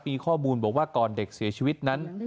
มีข้อมูลบอกว่าก่อนเด็กเสียชีวิตนั้น